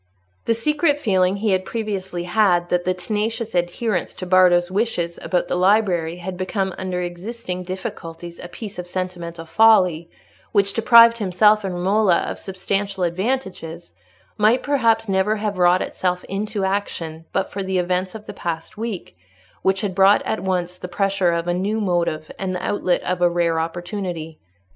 The secret feeling he had previously had that the tenacious adherence to Bardo's wishes about the library had become under existing difficulties a piece of sentimental folly, which deprived himself and Romola of substantial advantages, might perhaps never have wrought itself into action but for the events of the past week, which had brought at once the pressure of a new motive and the outlet of a rare opportunity.